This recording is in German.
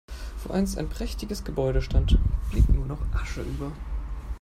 Wo einst ein prächtiges Gebäude stand, blieb nur noch Asche über.